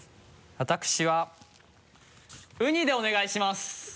私はうにでお願いします！